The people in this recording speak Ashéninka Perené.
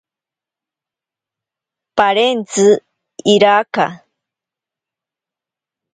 Parentzi iraka.